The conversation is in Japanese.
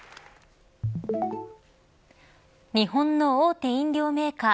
日本の大手飲料メーカー